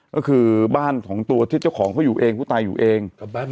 ก็คือบ้านของตัวที่เจ้าของเขาอยู่เองผู้ตายอยู่เอง